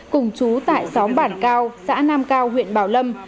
cùng chú tại xóm bản cao xã nam cao huyện bảo lâm